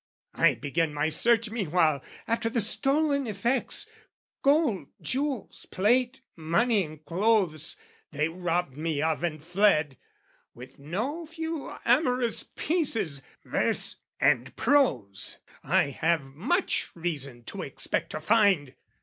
I begin my search meanwhile "After the stolen effects, gold, jewels, plate, "Money, and clothes, they robbed me of and fled: "With no few amorous pieces, verse and prose, "I have much reason to expect to find."